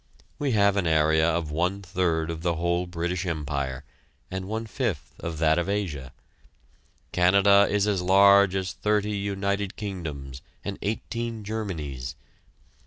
We have an area of one third of the whole British Empire, and one fifth of that of Asia. Canada is as large as thirty United Kingdoms and eighteen Germanys.